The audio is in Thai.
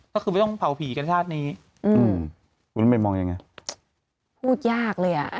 ก็คือไม่ต้องเผาผีกันชาตินี้อืมคุณต้องไปมองยังไงพูดยากเลยอ่ะ